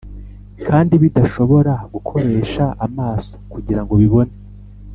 kandi bidashobora gukoresha amaso kugira ngo bibone,